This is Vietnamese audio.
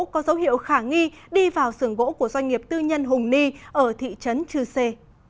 có dấu hiệu khả nghi đi vào sưởng gỗ của doanh nghiệp tư nhân hùng ni ở thị trấn chư sê